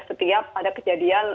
setiap ada kejadian